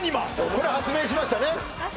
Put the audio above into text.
これ発明しましたねあっ